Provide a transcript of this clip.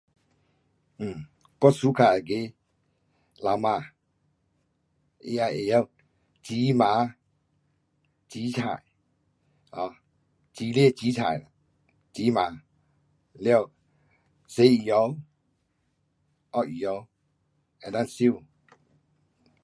um 我 suka 那个老婆，她要会晓煮饭，煮菜，um 煮吃，煮菜，煮饭，了洗衣物，烫衣物，能够收。